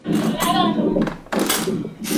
他也是广州中国大酒店的发展商之一。